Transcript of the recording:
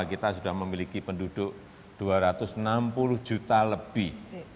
kita sudah memiliki penduduk dua ratus enam puluh juta lebih